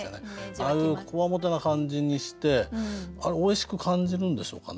ああいうこわもてな感じにしてあれおいしく感じるんでしょうかね？